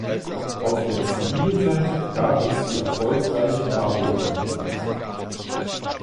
Auf der zivilen Seite gab es die erfolgreiche Kabul-Konferenz.